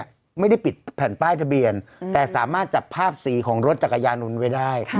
นะฮะเดือนเยอะแมดลี